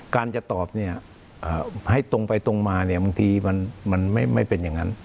การจะตอบเนี่ยให้ตรงไปตรงมาเนี่ยบางทีมันไม่เป็นอย่างนั้น